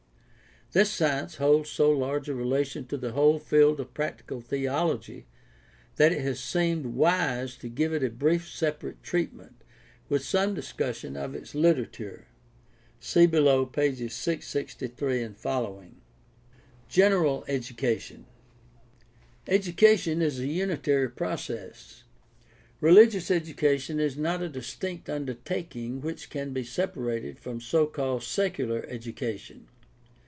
This science holds so large a relation to the whole field of practical theology that it has seemed wise to give it a brief separate treatment, with some discussion of its literature (see below, pp. 663 ff.). General education. — Education is a unitary process. Religious education is not a distinct undertaking which can be separated from so called "secular" education.